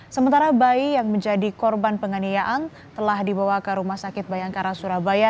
sementara bayi yang menjadi korban penganiayaan telah dibawa ke rumah sakit bayangkara surabaya